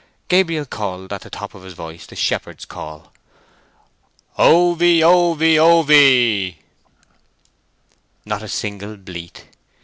Gabriel called at the top of his voice the shepherd's call: "Ovey, ovey, ovey!" Not a single bleat.